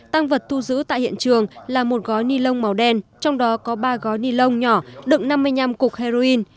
tăng vật thu giữ tại hiện trường là một gói ni lông màu đen trong đó có ba gói ni lông nhỏ đựng năm mươi năm cục heroin